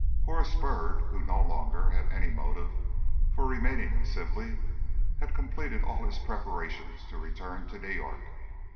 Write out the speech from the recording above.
Horace Byrd, who no longer had any motive for remaining in Sibley, had completed all his preparations to return to New York.